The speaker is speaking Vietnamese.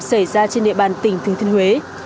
xảy ra trên địa bàn tỉnh thương thinh huế